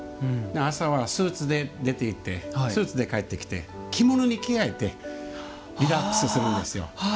朝はスーツで出ていってスーツで帰ってきて着物に着替えてリラックスするんですよ。